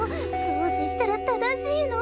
どう接したら正しいの？